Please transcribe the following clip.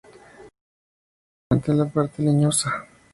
Se eliminó totalmente la parte leñosa.